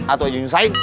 atau aja yang sayang